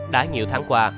đã nhiều tháng qua